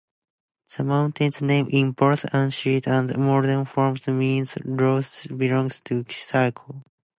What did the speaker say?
The mountain's name, in both ancient and modern forms, means roughly, "belonging to Circe".